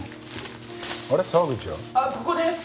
あっここです！